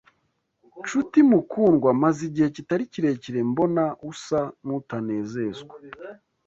Nshuti mukundwa maze igihe kitari kirekire mbona usa n’utanezezwa